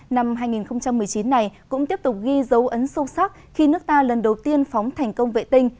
năm hai nghìn một mươi chín này cũng tiếp tục ghi dấu ấn sâu sắc khi nước ta lần đầu tiên phóng thành công vệ tinh